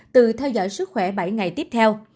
tự theo dõi sức khỏe bảy ngày tiếp theo